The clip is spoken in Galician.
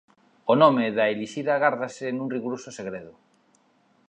O nome da elixida gárdase nun rigoroso segredo.